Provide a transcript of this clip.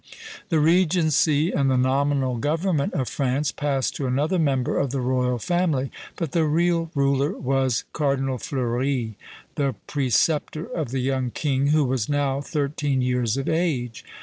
The regency and the nominal government of France passed to another member of the royal family; but the real ruler was Cardinal Fleuri, the preceptor of the young king, who was now thirteen years of age.